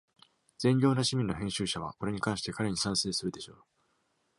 「善良な市民」の編集者は、これに関して、彼に賛成するでしょう。